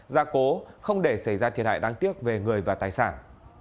gia cố không để xảy ra thiệt hại đáng tiếc về người và tài sản